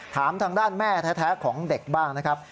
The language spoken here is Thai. ถามทางด้านแม่แท้ของเด็กบ้างนะครับ